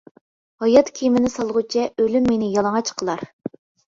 ھايات كىيىمىنى سالغۇچە ئۆلۈم مېنى يالىڭاچ قىلار.